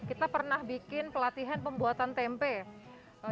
kita pernah bikin pelatihan pembuatan tempe